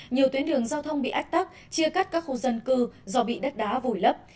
nhiều tuyến đường giao thông bị ách tắc chia cắt các khu dân cư do bị đất đá vùi lấp